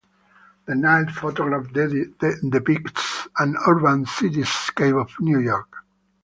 The night photograph depicts an urban cityscape of New York.